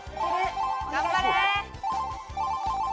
頑張れ！